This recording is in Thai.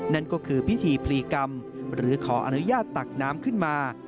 นั่นก็คือพิธีพลีกรรมหรือขออนุญาตตักน้ำขึ้นมา